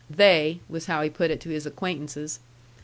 "They," was how he put it to his acquaintances.